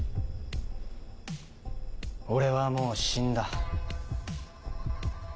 俺はもう死んだ。